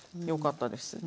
よかったです。